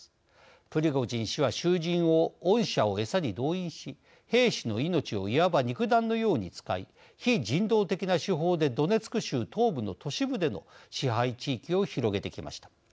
プリゴジン氏は、囚人を恩赦を餌に動員し兵士の命をいわば肉弾のように使い非人道的な手法でドネツク州東部の都市部での支配地域を広げてきました。